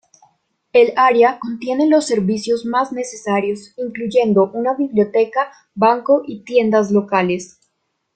El área contiene los servicios más necesarios, incluyendo una biblioteca, banco y tiendas locales.